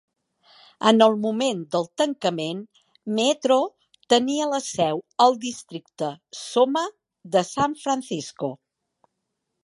En el moment del tancament, Meetro tenia la seu al districte SoMa de San Francisco.